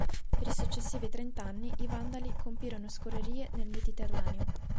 Per i successivi trent'anni, i Vandali compirono scorrerie nel Mediterraneo.